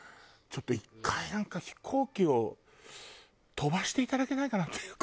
ちょっと１回飛行機を飛ばしていただけないかなという。